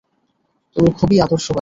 তুমি খুবই আদর্শবাদী।